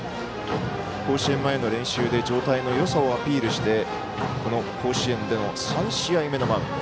甲子園前の練習で状態のよさをアピールして甲子園での３試合目のマウンド。